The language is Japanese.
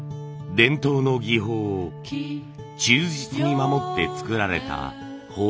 伝統の技法を忠実に守って作られた箒。